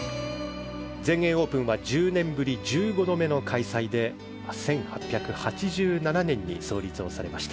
全英オープンは１０年ぶり１５度目の開催で１８８２年に創設をされました。